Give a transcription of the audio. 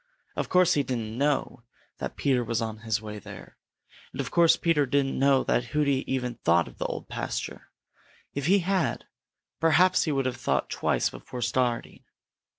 Of course he didn't know that Peter was on his way there, and of course Peter didn't know that Hooty even thought of the Old Pasture. If he had, perhaps he would have thought twice before starting.